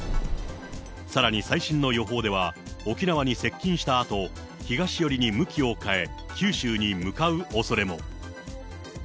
さらに最新の予報では、沖縄に接近したあと、東寄りに向きを変え、九州に向かうおそれも。